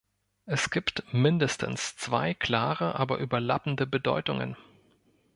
Es gibt mindestens zwei klare, aber überlappende Bedeutungen.